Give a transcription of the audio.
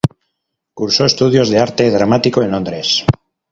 Cursó estudios de Arte Dramático en Londres.